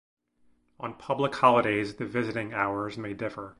On public holidays the visiting hours may differ.